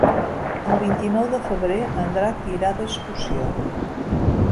El vint-i-nou de febrer en Drac irà d'excursió.